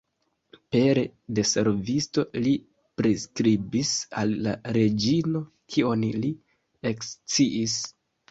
Pere de servisto li priskribis al la reĝino, kion li eksciis.